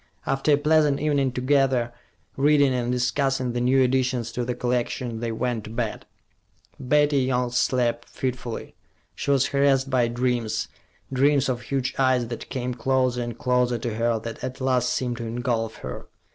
After a pleasant evening together, reading, and discussing the new additions to the collection, they went to bed. Betty Young slept fitfully. She was harassed by dreams, dreams of huge eyes that came closer and closer to her, that at last seemed to engulf her.